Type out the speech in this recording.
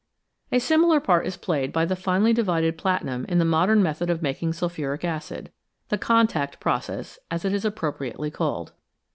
A similar part is played by the finely divided platinum in the modern method of making sulphuric acid the " contact " process, as it is appropriately called.